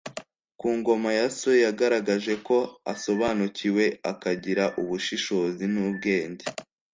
ku ngoma ya so yagaragaje ko asobanukiwe akagira ubushishozi n'ubwenge